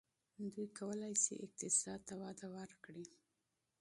دوی کولای شي اقتصاد ته وده ورکړي.